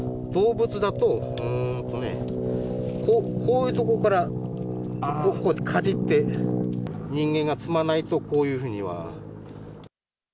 動物だとこういうところからこうかじって、人間がつまないとこういうふうには。